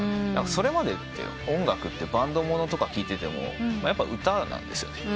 それまでって音楽ってバンド物とか聴いててもやっぱ歌なんですよ。